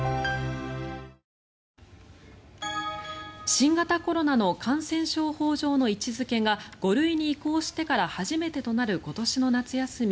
新型コロナの感染症法上の位置付けが５類に移行してから初めてとなる今年の夏休み。